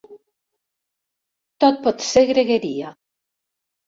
Tot pot ser gregueria.